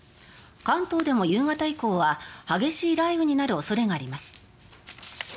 関東でも夕方以降は激しい雷雨になる恐れがあります。